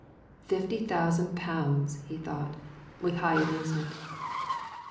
"Fifty thousand pounds!" he thought, with high amusement.